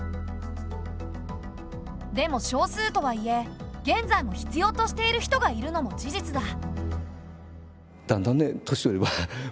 でも少数とはいえ現在も必要としている人がいるのも事実だ。